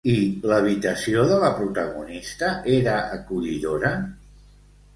I l'habitació de la protagonista era acollidora?